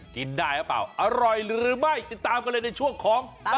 กินได้หรือเปล่าอร่อยหรือไม่ติดตามกันเลยในช่วงของ